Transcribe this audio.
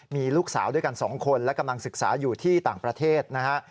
มีลูกสาวด้วยกัน๒คนและกำลังศึกษาอยู่ที่ต่างประเทศนะฮะ